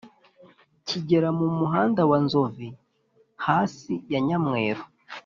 kigera mu muhanda wa nzovi, hasi ya nyamweru